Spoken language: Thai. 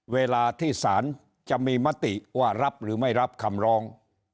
เวลาที่สารจะมีมติว่ารับหรือไม่รับคำร้อง